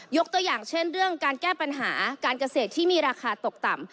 ตัวอย่างเช่นเรื่องการแก้ปัญหาการเกษตรที่มีราคาตกต่ำ